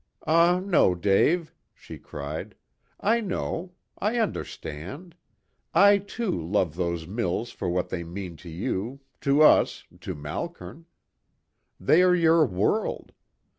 "Ah, no, Dave," she cried. "I know. I understand. I, too, love those mills for what they mean to you, to us, to Malkern. They are your world.